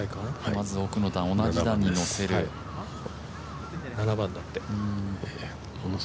まず奥の段、同じ段に乗せる７番だって。